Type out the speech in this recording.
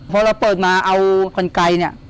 พอเราเปิดมาเอาควันไกลเนี่ย